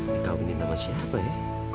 dikawinin sama siapa ya